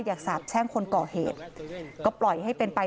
สาบแช่งคนก่อเหตุก็ปล่อยให้เป็นไป